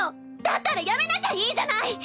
だったら辞めなきゃいいじゃない！